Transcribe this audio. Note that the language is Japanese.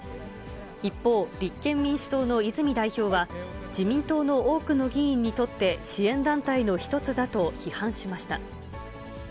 一方、立憲民主党の泉代表は、自民党の多くの議員にとって、支援団体の一つだと批判しました。